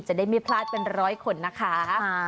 จะได้ไม่พลาดเป็นร้อยคนนะคะ